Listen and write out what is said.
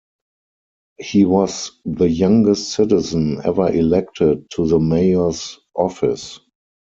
He was the youngest citizen ever elected to the Mayor's office.